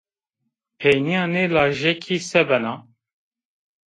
Peynîya nê lajekî se bena?